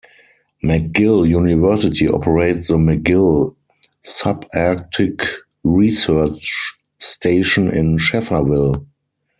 McGill University operates the McGill Subarctic Research Station in Schefferville.